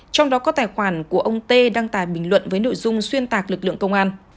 trong đó có tài khoản của ông tê đăng tài bình luận với nội dung xuyên tạc lực lượng công an